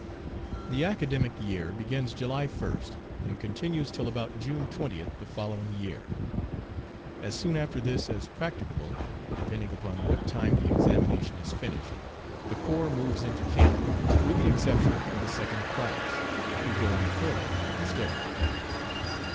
THE academic year begins July 1st, and continues till about June 20th the following year. As soon after this as practicable depending upon what time the examination is finished the corps moves into camp, with the exception of the second class, who go on furlough instead.